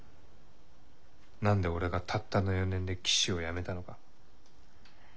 何で俺がたったの４年で騎手を辞めたのか。